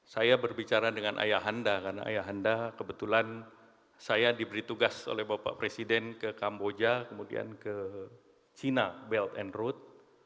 saya berbicara dengan ayahanda karena ayahanda kebetulan saya diberi tugas oleh bapak presiden ke kamboja kemudian ke cina belt and road